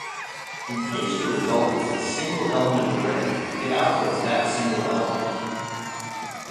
In case the result is a single-element array, it outputs that single element.